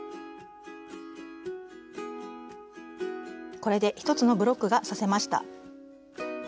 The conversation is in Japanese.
これで１つのブロックが刺せました。